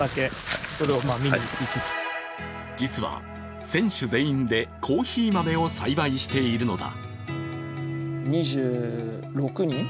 実は選手全員でコーヒー豆を栽培しているのだ。